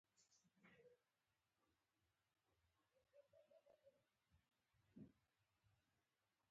سالم به ټوله ورځ راسره ناست و.